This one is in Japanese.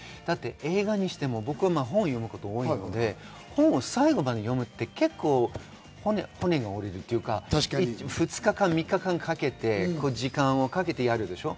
映画にしても僕は本を読むことが多いので最後まで読むって結構、骨が折れるというか、２日、３日かけて時間をかけてやるでしょ。